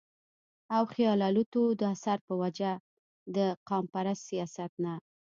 او خياالتو د اثر پۀ وجه د قامپرست سياست نه